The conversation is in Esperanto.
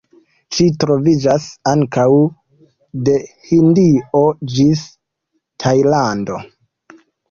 Ĝi troviĝas ankaŭ de Hindio ĝis Tajlando.